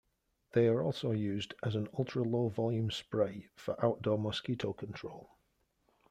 They are also used as an ultra-low volume spray for outdoor mosquito control.